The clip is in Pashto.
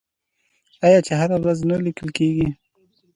آیا چې هره ورځ نه لیکل کیږي؟